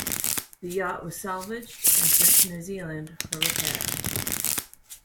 The yacht was salvaged, and sent to New Zealand for repair.